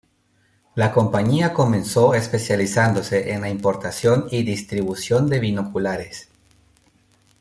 La compañía comenzó especializándose en la importación y distribución de binoculares.